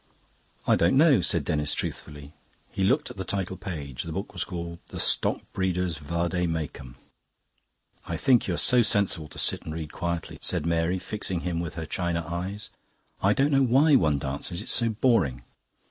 "I don't know," said Denis truthfully. He looked at the title page; the book was called "The Stock Breeder's Vade Mecum." "I think you are so sensible to sit and read quietly," said Mary, fixing him with her china eyes. "I don't know why one dances. It's so boring."